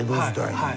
はい。